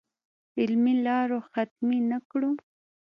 علمي لارو ختمې نه کړو.